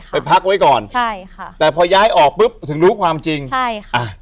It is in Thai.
ไปพักไว้ก่อนใช่ค่ะแต่พอย้ายออกปุ๊บถึงรู้ความจริงใช่ค่ะอ่ะ